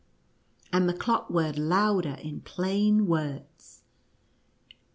And the clock whirred louder in plain words.